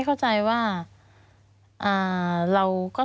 มันจอดอย่างง่ายอย่างง่าย